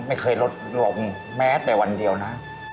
ไม่เคยลดลงแม้แต่วันเดียวนะ